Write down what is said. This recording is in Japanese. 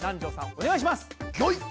お願いします！